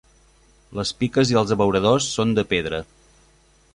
Les piques i els abeuradors són de pedra.